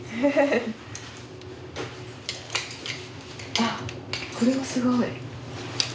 あっこれはすごい。